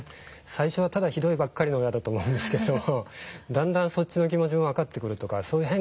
最初はただひどいばっかりの親だと思うんですけれどだんだんそっちの気持ちも分かってくるとか変化はあります。